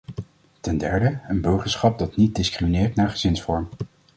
Ten derde, een burgerschap dat niet discrimineert naar gezinsvorm.